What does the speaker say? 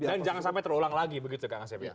dan jangan sampai terulang lagi begitu kak ngasip ya